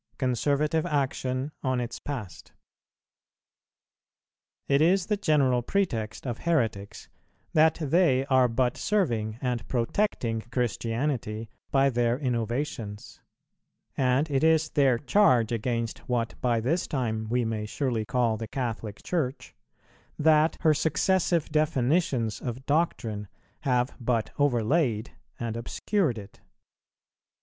CONSERVATIVE ACTION ON ITS PAST. It is the general pretext of heretics that they are but serving and protecting Christianity by their innovations; and it is their charge against what by this time we may surely call the Catholic Church, that her successive definitions of doctrine have but overlaid and obscured it.